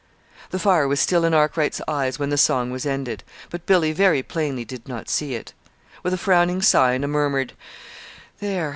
The fire was still in Arkwright's eyes when the song was ended; but Billy very plainly did not see it. With a frowning sigh and a murmured "There!"